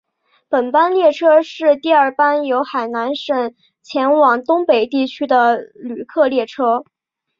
本班列车是第二班由海南省前往东北地区的旅客列车。